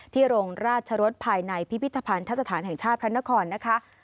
โรงราชรสภายในพิพิธภัณฑสถานแห่งชาติพระนครนะคะ